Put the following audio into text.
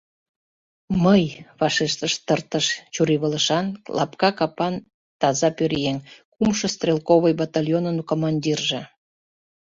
— Мый! — вашештыш тыртыш чурийвылышан, лапка капан таза пӧръеҥ, кумшо стрелковый батальонын командирже.